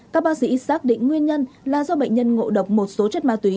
các bác sĩ xác định nguyên nhân là do bệnh nhân ngộ độc một số chất ma túy